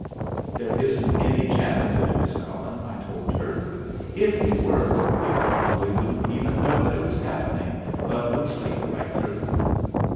"There isn't any chance of it, Miss Cullen," I told her; "and if we were, you probably wouldn't even know that it was happening, but would sleep right through it."